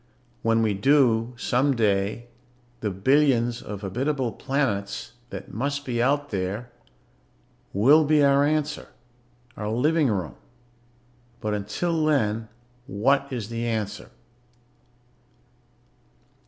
When we do, someday, the billions of habitable planets that must be out there will be our answer ... our living room. But until then, what is the answer?